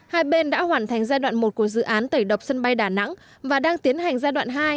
hai bên đã hoàn thành giai đoạn một của dự án tẩy độc sân bay đà nẵng và đang tiến hành giai đoạn hai